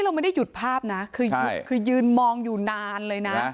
มันได้หยุดภาพเนี่ยคือยืนมองอยู่นานเลยนะ